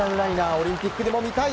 オリンピックでも見たい。